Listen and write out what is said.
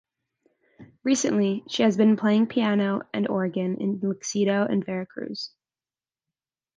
Recently, she has been playing piano and organ in Luxedo and Vera Cruz.